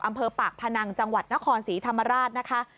อำเภอปากพนังจังหวัดนครศรีธรรมราชนะคะ